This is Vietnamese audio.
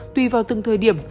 tùy vào từng thời điểm